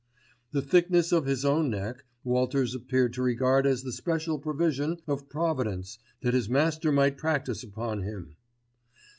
The thickness of his own neck, Walters appeared to regard as the special provision of providence that his master might practise upon him.